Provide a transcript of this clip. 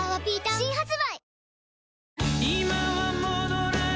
新発売